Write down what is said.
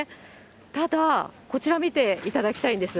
ただ、こちら見ていただきたいんです。